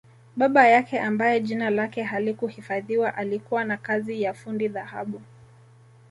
Baba yake ambaye jina lake halikuhifadhiwa alikuwa na kazi ya fundi dhahabu